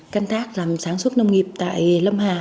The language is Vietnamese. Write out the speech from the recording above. canh tác làm sáng súc nông nghiệp tại lâm hà